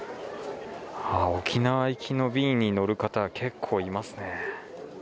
沖縄行きの便に乗る方、結構いますね。